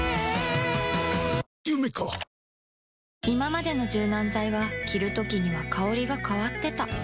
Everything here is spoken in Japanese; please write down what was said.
いままでの柔軟剤は着るときには香りが変わってた